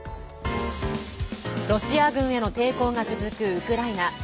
ロシア軍への抵抗が続くウクライナ。